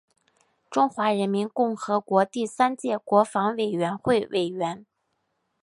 中华人民共和国第三届国防委员会委员。